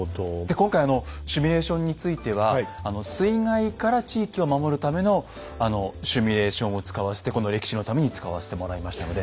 今回シミュレーションについては水害から地域を守るためのシミュレーションを使わせてこの歴史のために使わせてもらいましたので。